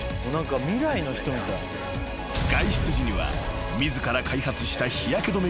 ［外出時には自ら開発した日焼け止め